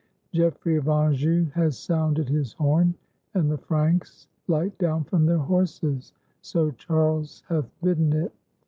Geoffrey of Anjou has sounded his horn; and the Franks light down from their horses, so Charles hath bidden it.